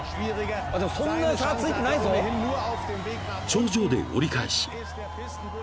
［頂上で折り返し］